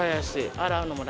洗うのも楽。